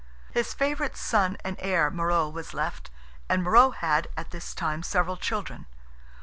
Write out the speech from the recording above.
His favourite son and heir, Morrogh, was left, and Morrogh had, at this time, several children.